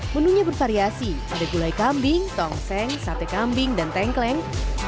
menunya bervariasi ada gulai kambing tongseng sate kambing dan tengkleng